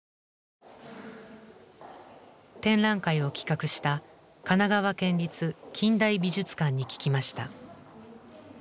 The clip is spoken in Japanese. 展覧会を企画した神奈川県立近代美術館に聞きました。